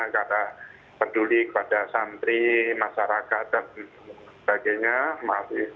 karena peduli kepada santri masyarakat dan sebagainya